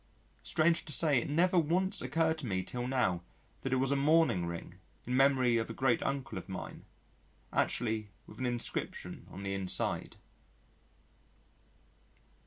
Strange to say it never once occurred to me till now that it was a mourning ring in memory of a great uncle of mine, actually with an inscription on the inside.